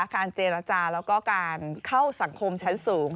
การเจรจาแล้วก็การเข้าสังคมชั้นสูง